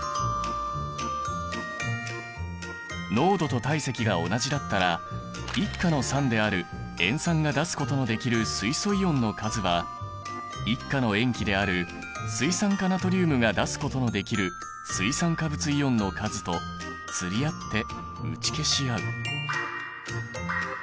濃度と体積が同じだったら１価の酸である塩酸が出すことのできる水素イオンの数は１価の塩基である水酸化ナトリウムが出すことのできる水酸化物イオンの数と釣り合って打ち消し合う。